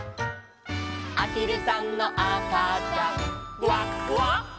「あひるさんのあかちゃんグワグワ」